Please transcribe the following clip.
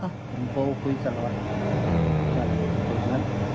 ผมเพิ่งคุยจะล่ะ